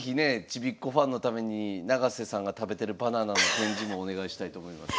ちびっ子ファンのために永瀬さんが食べてるバナナの展示もお願いしたいと思います。